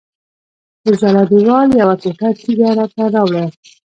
د ژړا دیوال یوه ټوټه تیږه راته راوړه.